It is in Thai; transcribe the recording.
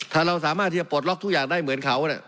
ถ้าเราสามารถที่จะปลดล็อกทุกอย่างได้เหมือนเขา